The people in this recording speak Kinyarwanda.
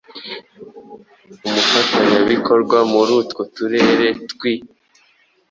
Umufatanyabikorwa muri utwo turere twii,